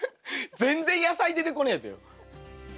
全然野菜出てこねえべよ。